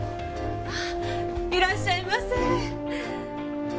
あっいらっしゃいませ。